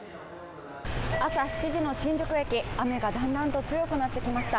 朝７時の新宿駅、雨がだんだんと強くなってきました。